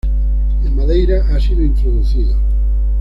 En Madeira ha sido introducido.